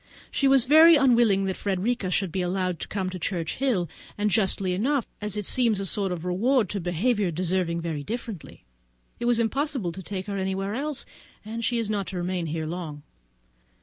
She was very unwilling that Frederica should be allowed to come to Churchhill, and justly enough, as it seems a sort of reward to behaviour deserving very differently; but it was impossible to take her anywhere else, and she is not to remain here long.